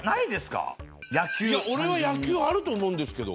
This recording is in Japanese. いや俺は野球あると思うんですけど。